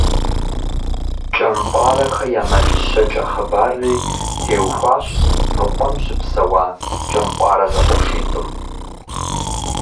«КӀэмпӀарэхэ я мэл щэкӀэ» хъыбарри теухуащ мы къуэм щыпсэуа КӀэмпӀарэ зэкъуэшитӀым.